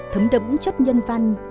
thấm đẫm chất nhân văn